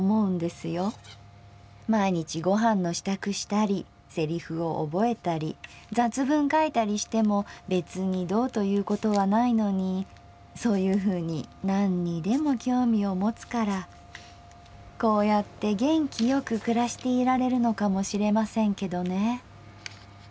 毎日ご飯の支度したりセリフを覚えたり雑文書いたりしても別にどうということはないのにそういうふうに何にでも興味を持つからこうやって元気よく暮らしていられるのかもしれませんけどね。